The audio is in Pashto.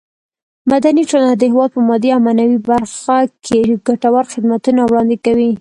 مدني ټولنه د هېواد په مادي او معنوي برخه کې ګټور خدمتونه وړاندې کوي.